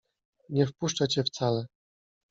Nie wpuszczę cię wcale.